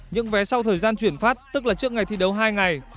những vé sau thời gian chuyển phát tức là trước ngày thi đấu hai ngày